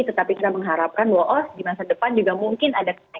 tetapi kita mengharapkan bahwa di masa depan juga mungkin ada kenaikan harga